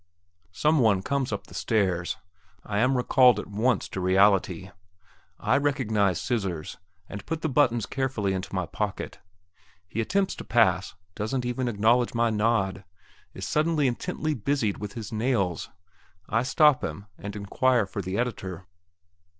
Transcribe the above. Some one comes up the stairs. I am recalled at once to reality. I recognize "Scissors," and put the buttons carefully into my pocket. He attempts to pass; doesn't even acknowledge my nod; is suddenly intently busied with his nails. I stop him, and inquire for the editor.